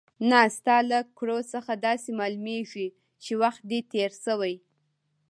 نه، ستا له کړو څخه داسې معلومېږي چې وخت دې تېر شوی.